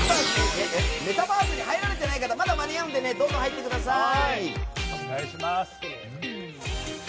メタバースに入られていない方まだ間に合うのでどんどん入ってください。